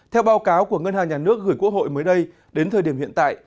theo báo cáo của ngân hàng nhà nước gửi quốc hội mới đây đến thời điểm hiện tại